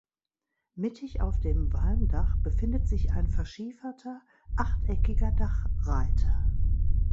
Mittig auf dem Walmdach befindet sich ein verschieferter achteckiger Dachreiter.